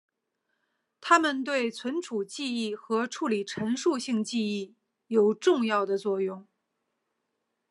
它们对储存记忆和处理陈述性记忆有重要的作用。